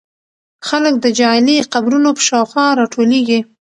خلک د جعلي قبرونو په شاوخوا راټولېږي.